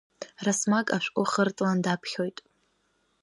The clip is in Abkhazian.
Расмаг ашәҟәы хыртлан даԥхьоит.